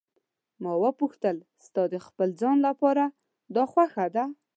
ما وپوښتل: ستا د خپل ځان لپاره دا خوښه ده.